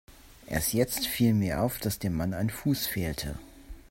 Erst jetzt fiel mir auf, dass dem Mann ein Fuß fehlte.